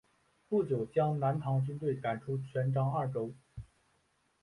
不久将南唐军队赶出泉漳二州。